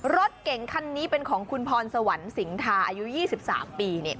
รถเก๋งคันนี้เป็นของคุณพรสวรรค์สิงทาอายุ๒๓ปี